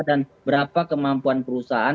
dan berapa kemampuan perusahaan